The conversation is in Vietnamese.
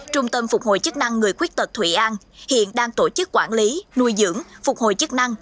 trung tâm phục hồi chức năng người khuyết tật thụy an hiện đang tổ chức quản lý nuôi dưỡng phục hồi chức năng